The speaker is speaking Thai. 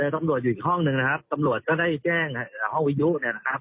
ตำรวจก็ได้แจ้งห้องวิยุนะครับ